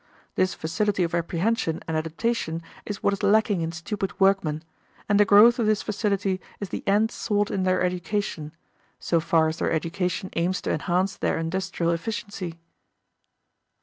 This facility of apprehension and adaptation is what is lacking in stupid workmen, and the growth of this facility is the end sought in their education so far as their education aims to enhance their industrial efficiency.